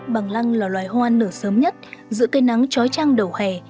bằng lăng là loài hoa nở sớm nhất giữa cây nắng trói trang đầu hè